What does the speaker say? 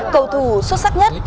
cầu thủ xuất sắc nhất